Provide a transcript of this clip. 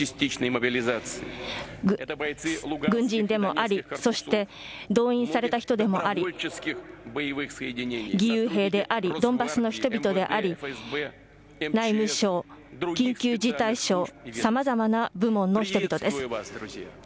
軍人でもあり、そして動員された人でもあり、義勇兵であり、ドンバスの人々であり、内務省、緊急事態省、さまざまな部門の人々です。